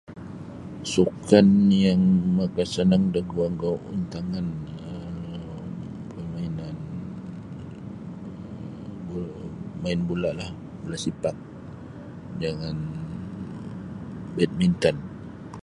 Sukan yang mapasanang da guangku antangan um permainan main bulalah bula sepak jangan bidminton.